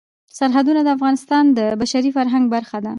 سرحدونه د افغانستان د بشري فرهنګ برخه ده.